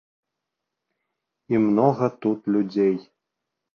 І многа тут людзей.